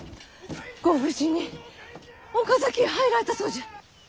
ご無事に岡崎へ入られたそうじゃ。